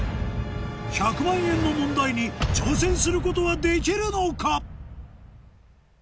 １００万円の問題に挑戦することはできるのか？